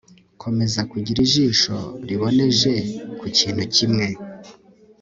komeza kugira ijisho riboneje ku kintu kimwe